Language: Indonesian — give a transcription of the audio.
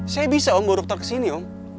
saya bisa om baru tetap ke sini om